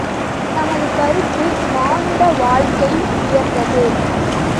நமது கருத்து, மானுட வாழ்க்கை உயர்ந்தது.